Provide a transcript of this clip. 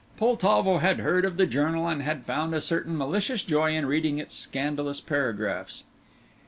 Poltavo had heard of the journal and had found a certain malicious joy in reading its scandalous paragraphs.